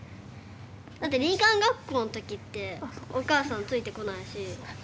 だって林間学校の時ってお母さんついてこないし。